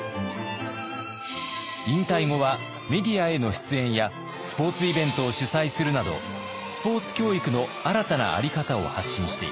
引退後はメディアへの出演やスポーツイベントを主催するなどスポーツ教育の新たなあり方を発信しています。